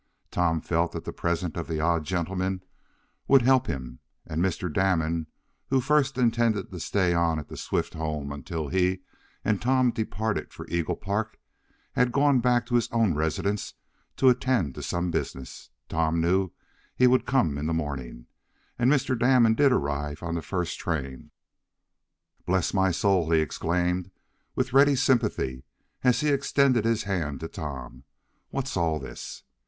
Tom felt that the presence of the odd gentleman would help him, and Mr. Damon, who first intended to stay on at the Swift home until he and Tom departed for Eagle Park, had gone back to his own residence to attend to some business Tom knew he would come in the morning, and Mr. Damon did arrive on the first train. "Bless my soul!" he exclaimed with ready sympathy, as he extended his hand to Tom. "What's all this?"